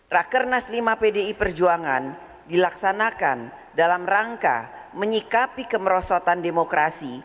rakernas lima pdi perjuangan dilaksanakan dalam rangka menyikapi kemerosotan demokrasi